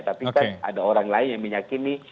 tapi kan ada orang lain yang meyakini